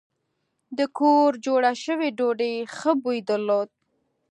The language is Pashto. د کور جوړه شوې ډوډۍ ښه بوی درلود.